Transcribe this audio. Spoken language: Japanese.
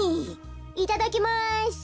いただきます。